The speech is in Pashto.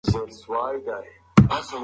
انسان وخت تجربه کوي.